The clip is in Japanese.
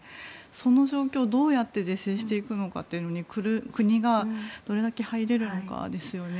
その状況をどうやって是正していくのかというのに国がどれだけ入れるのかですよね。